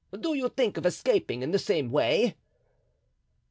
"Do you think of escaping in the same way?"